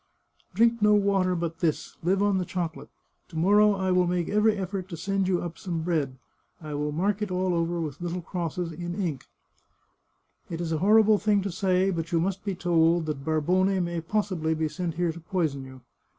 " Drink no water but this ; live on the chocolate. To morrow I will make every effort to send you up some bread. I will mark it all over with little crosses in ink. " It is a horrible thing to say, but you must be told, that Barbone may possibly be sent here to poison you.